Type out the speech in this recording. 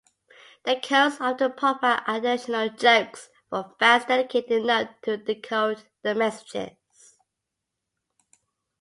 The codes often provide additional jokes for fans dedicated enough to decode the messages.